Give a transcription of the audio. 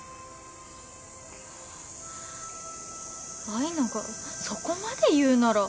愛奈がそこまで言うなら。